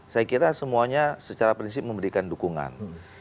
saya kira semuanya secara prinsip memberikan dukungan